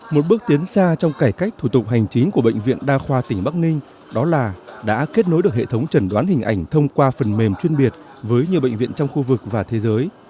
một bước tiến xa trong cải cách thủ tục hành chính của bệnh viện đa khoa tỉnh bắc ninh đó là đã kết nối được hệ thống trần đoán hình ảnh thông qua phần mềm chuyên biệt với nhiều bệnh viện trong khu vực và thế giới